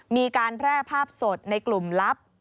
มีการแพร่ภาพสดในกลุ่มลับ